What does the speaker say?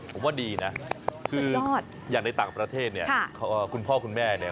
ผมว่าดีนะคืออย่างในต่างประเทศเนี่ยคุณพ่อคุณแม่เนี่ย